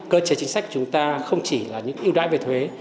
cơ chế chính sách chúng ta không chỉ là những ưu đãi về thuế